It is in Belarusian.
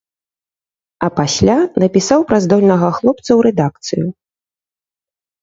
А пасля напісаў пра здольнага хлопца ў рэдакцыю.